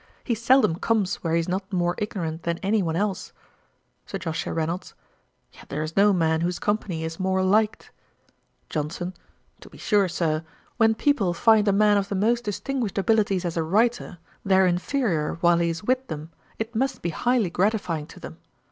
He seldom comes where he is not more ignorant than any one else.' SIR JOSHUA REYNOLDS. 'Yet there is no man whose company is more liked.' JOHNSON. 'To be sure, Sir. When people find a man of the most distinguished abilities as a writer, their inferiour while he is with them, it must be highly gratifying to them.